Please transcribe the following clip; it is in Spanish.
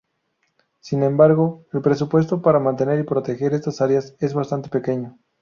Sin embargo, el presupuesto para mantener y proteger estas áreas es bastante pequeño.